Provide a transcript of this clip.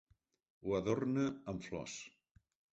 Ho adorna amb flors.